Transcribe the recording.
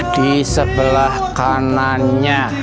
di sebelah kanannya